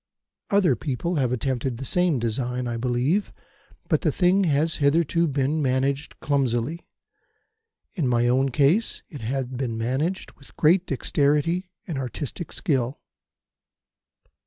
Other people have attempted the same design, I believe, but the thing has hitherto been managed clumsily. In my own case, it has been managed with great dexterity and artistic skill.